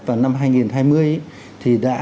vào năm hai nghìn hai mươi thì đã